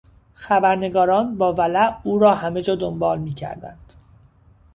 خبرنگاران با ولع او را همهجا دنبال میکردند.